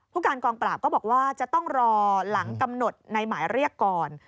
การกองปราบก็บอกว่าจะต้องรอหลังกำหนดในหมายเรียกก่อน